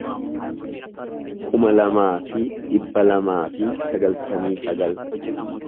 kuma lamaa fi dhibba lamaa fi sagaltamii sagal